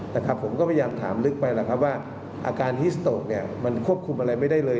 นะครับผมก็พยายามถามลึกไปแล้วครับว่าอาการฮิสโตกเนี่ยมันควบคุมอะไรไม่ได้เลย